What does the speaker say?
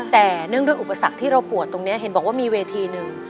แต่เนื่องด้วยอุปสรรคที่เราปวดตรงนี้เห็นบอกว่ามีเวทีหนึ่ง